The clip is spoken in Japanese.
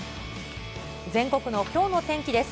全国のきょうの天気です。